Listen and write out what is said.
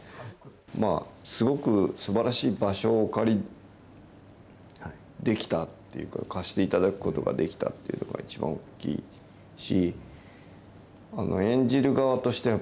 まあ、すごくすばらしい場所をお借りできたというか、貸していただくことができたっていうのが一番大きいし。